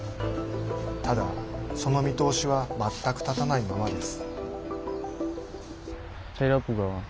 ただその見通しは全く立たないままです。